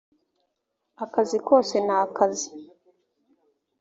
akazi kose nakazi